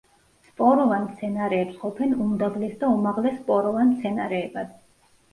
სპოროვან მცენარეებს ყოფენ უმდაბლეს და უმაღლეს სპოროვან მცენარეებად.